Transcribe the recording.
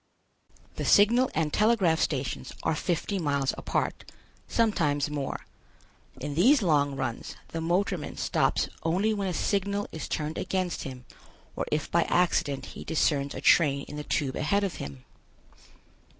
The signal and telegraph stations are fifty miles apart, sometimes more. In these long runs the motorman stops only when a signal is turned against him or if by accident he discerns a train in the Tube ahead of him.